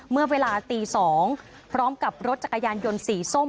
เมื่อเวลาตี๒พร้อมกับรถจักรยานยนต์สีส้ม